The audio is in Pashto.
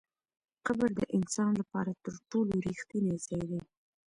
قبر د انسان لپاره تر ټولو رښتینی ځای دی.